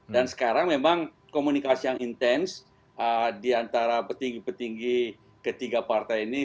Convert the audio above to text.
dan sekarang memang komunikasi yang intens di antara petinggi petinggi ketiga partai ini